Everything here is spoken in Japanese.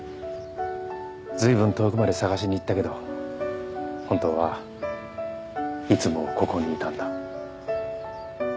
「ずいぶん遠くまで探しに行ったけど本当はいつもここにいたんだ」。